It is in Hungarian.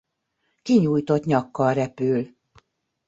Kinyújtott nyakkal repül.